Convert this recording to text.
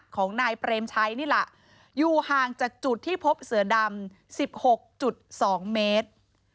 ของนายเปรมชัยนี่แหละอยู่ห่างจากจุดที่พบเสือดำ๑๖๒เมตร